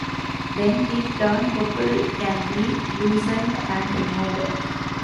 Then the turnbuckle can be loosened and removed.